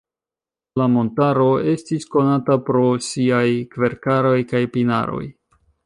La montaro estis konata pro siaj kverkaroj kaj pinaroj.